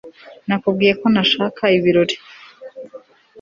nakubwiye ko ntashaka ibirori